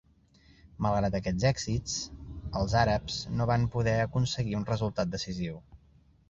Malgrat aquests èxits, els àrabs no van poden aconseguir un resultat decisiu.